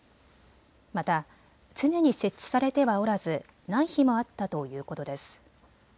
また常に設置されてはおらずない日もあったということです。